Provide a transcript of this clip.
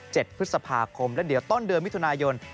พฤษภาคมแล้วเดี๋ยวต้นเดือนมิถุนายน